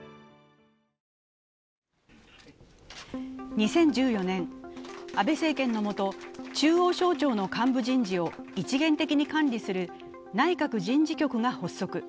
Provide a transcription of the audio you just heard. ２０１４年、安倍政権のもと中央省庁の幹部人事を一元的に管理する内閣人事局が発足。